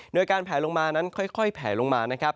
โดยการแผ่ลงมานั้นค่อยแผ่ลงมา